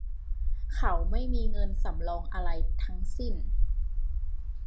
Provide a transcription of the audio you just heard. เขาไม่มีเงินสำรองอะไรทั้งสิ้น